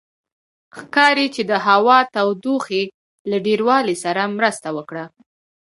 ښکاري چې د هوا تودوخې له ډېروالي سره مرسته وکړه.